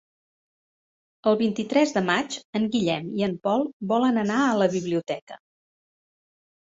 El vint-i-tres de maig en Guillem i en Pol volen anar a la biblioteca.